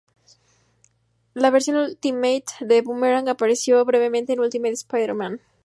La versión Ultimate de Boomerang apareció brevemente en "Ultimate Spider-Man".